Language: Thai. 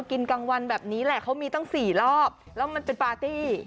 กลางวันแบบนี้แหละเขามีตั้ง๔รอบแล้วมันเป็นปาร์ตี้